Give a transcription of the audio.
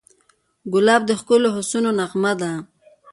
ګلاب د ښکلو حسونو نغمه ده.